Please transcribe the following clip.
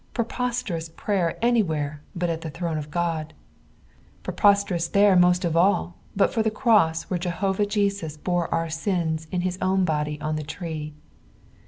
Prepusieious prayer anywhere but at the throne of God I Preposterous there most of all but for the cross where Jehovah Jesus bore our sins in his own body on the tree.